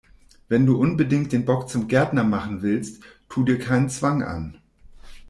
Wenn du unbedingt den Bock zum Gärtner machen willst, tu dir keinen Zwang an!